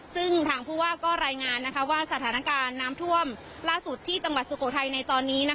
ซึ่งทางผู้ว่าก็รายงานว่าสถานการณ์น้ำท่วมล่าสุดที่จังหวัดสุโขทัยในตอนนี้